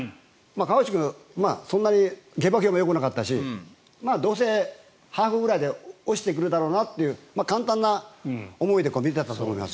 川内君はそんなに下馬評がよくなかったしどうせハーフぐらいで落ちてくるだろうなという簡単な思いで見ていたと思います。